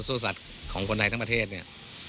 สัตว์ของคนไทยทั้งประเทศเนี่ย